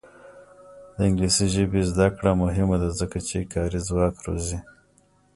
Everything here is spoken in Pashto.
د انګلیسي ژبې زده کړه مهمه ده ځکه چې کاري ځواک روزي.